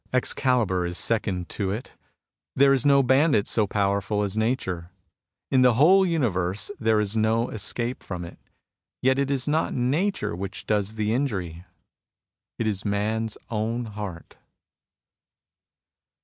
Excalibur is second to it. There is no bandit so powerful as Nature. In the whole universe there is no escape from it. Yet it is not Nature which does the injury. It is man's own heart.